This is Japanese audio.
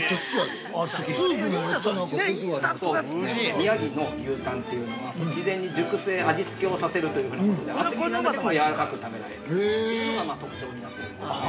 宮城の牛タンというのは事前に熟成・味付けをさせるというふうなことで厚切りなんだけれどもやわらかく食べられるというのが特徴になっておりますね。